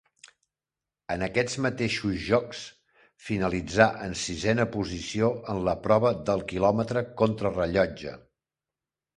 En aquests mateixos Jocs finalitzà en sisena posició en la prova del quilòmetre contrarellotge.